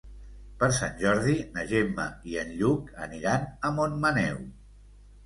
Per Sant Jordi na Gemma i en Lluc aniran a Montmaneu.